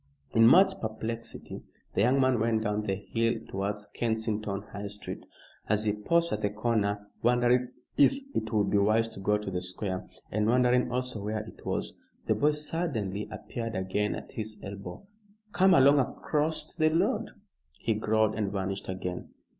In much perplexity the young man went down the hill towards Kensington High Street. As he paused at the corner wondering if it would be wise to go to the Square, and wondering also where it was, the boy suddenly appeared again at his elbow. "Come along acrost the road," he growled, and vanished again.